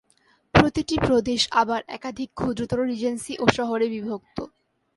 প্রতিটি প্রদেশ আবার একাধিক ক্ষুদ্রতর রিজেন্সি ও শহরে বিভক্ত।